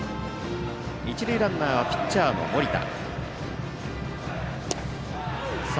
一塁ランナーはピッチャーの盛田。